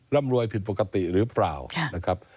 ร่ำรวยผิดปกติหรือเปล่า